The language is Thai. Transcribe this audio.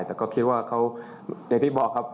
แต่ก็คิดว่าเขาอย่างที่บอกครับ